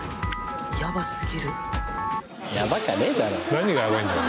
何がやばいんだよ